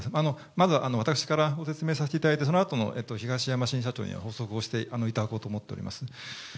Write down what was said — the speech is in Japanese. まずは私からご説明させていただいて、そのあとの東山新社長に補足をしていただこうと思っています。